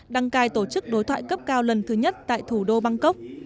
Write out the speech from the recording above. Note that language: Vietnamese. đăng cai tổ chức đối thoại cấp cao lần thứ nhất tại thủ đô bangkok